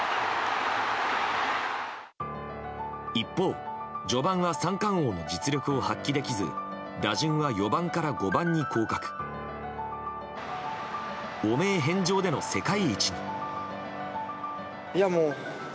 一方、序盤は三冠王の実力を発揮できず打順は４番から５番に降格。汚名返上での世界一に。